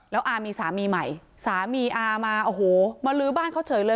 แล้วอามีสามีใหม่สามีอามาโอ้โหมาลื้อบ้านเขาเฉยเลย